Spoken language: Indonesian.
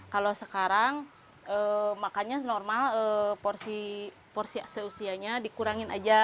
kalo sekarang anakannya normal memang porsi seusianya dikurangin aja